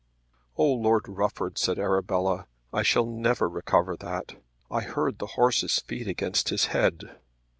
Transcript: "Oh Lord Rufford," said Arabella, "I shall never recover that. I heard the horse's feet against his head."